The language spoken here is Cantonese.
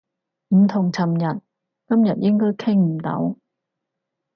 唔同尋日，今日應該傾唔到